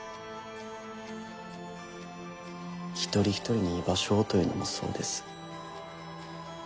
「一人一人に居場所を」というのもそうです。